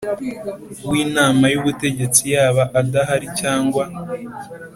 W inama y ubutegetsi yaba adahari cyangwa